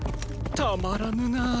たまらぬな後宮。